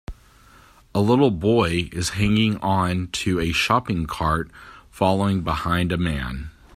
A little boy is hanging on to a shopping cart following behind a man.